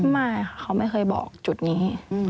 ไม่ค่ะเขาไม่เคยบอกจุดนี้